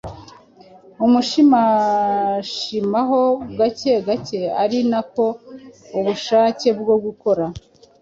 amushimashimaho gake gake ari nako ubushake bwo gukora